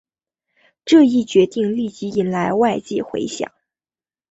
这一决定立即引来外界回响。